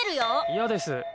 嫌です。